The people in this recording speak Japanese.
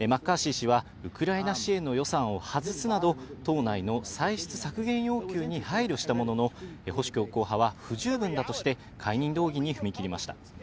マッカーシー氏はウクライナ支援の予算を外すなど、党内の歳出削減要求に配慮したものの保守強硬派は不十分だとして解任動議に踏み切りました。